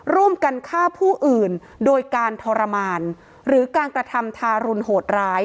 ร่วมกันฆ่าผู้อื่นโดยการทรมานหรือการกระทำทารุณโหดร้าย